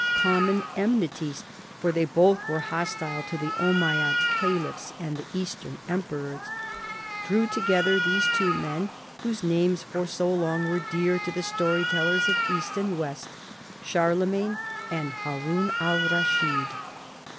Common enmities (for they both were hostile to the Ommayad Caliphs and the eastern emperors), drew together these two men whose names for so long were dear to the story tellers of east and west, Char lemagne and Ilaroun al Raschid.